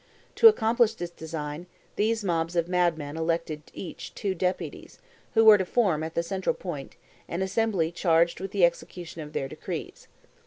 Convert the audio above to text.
To accomplish this design, these mobs of madmen elected each two deputies, who were to form, at the central point, an assembly charged with the execution of their decrees.